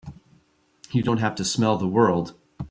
You don't have to smell the world!